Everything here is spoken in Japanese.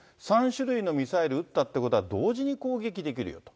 ３種類のミサイル撃ったってことは、同時に攻撃できるよと。